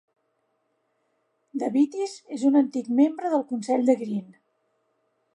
Devitis és un antic membre del Consell de Green.